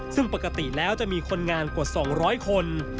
ซึ่งปกติแล้วจะมีคนงานกว่า๒๐๐คน